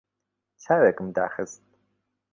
چاوێکم داخست.